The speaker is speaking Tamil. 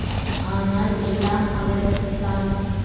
ஆனால், எல்லாம் அவருக்குத்தான்.